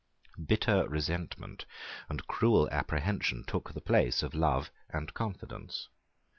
Bitter resentment and cruel apprehension took the place of love and confidence.